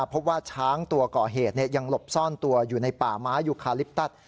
พบว่าช้างตัวก่อเหตุยังหลบซ่อนตัวอยู่ในป่าไม้ยูคาลิปตัส